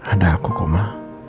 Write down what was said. ada aku kok ma